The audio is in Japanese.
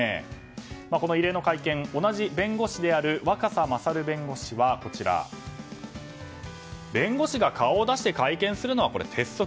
この異例の会見同じ弁護士である若狭勝弁護士は弁護士が顔を出して会見するのは鉄則。